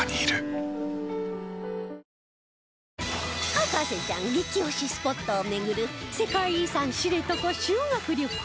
博士ちゃん激推しスポットを巡る世界遺産知床修学旅行